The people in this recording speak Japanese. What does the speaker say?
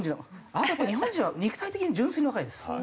あとやっぱり日本人は肉体的に純粋に若いです。